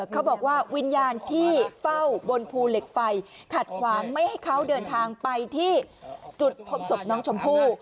เขาบอกว่าวิญญาณที่เฝ้าบนภูเหล็กไฟขัดขวางไม่ให้เขาเดินทางไปที่จุดพบศพน้องชมพู่